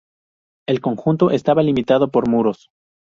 El conjunto estaba limitado por muros.